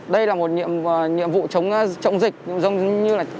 đây là một nhiệm vụ chống dịch như là chống giặc